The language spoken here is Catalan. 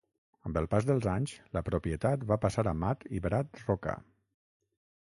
Amb el pas dels anys, la propietat va passar a Matt i Brad Rocca.